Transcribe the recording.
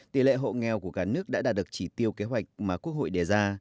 tỷ lệ hộ nghèo của cả nước đã đạt được chỉ tiêu kế hoạch mà quốc hội đề ra